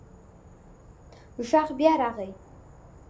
غږ بیا راغی.